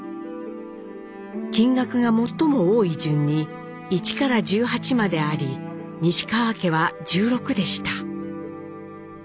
金額が最も多い順に一から十八まであり西川家は十六でした。